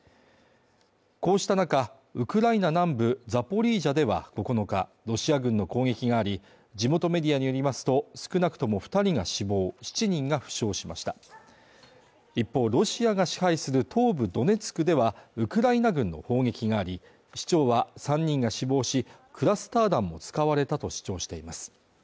こうした中ウクライナ南部ザポリージャでは９日ロシア軍の攻撃があり地元メディアによりますと少なくとも二人が死亡７人が負傷しました一方ロシアが支配する東部ドネツクではウクライナ軍の砲撃があり市長は３人が死亡しクラスター弾も使われたと主張しています